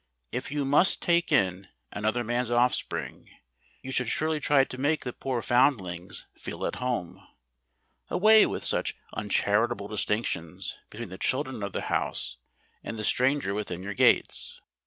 If you must take in another man's offspring, you should surely try to make the poor foundlings feel at home. Away with such uncharitable distinctions between the children of the house and the stranger within your gates.